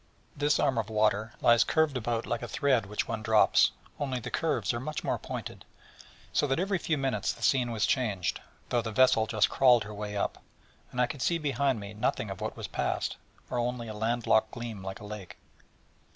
This arm of water lies curved about like a thread which one drops, only the curves are much more pointed, so that every few minutes the scene was changed, though the vessel just crawled her way up, and I could see behind me nothing of what was passed, or only a land locked gleam like a lake.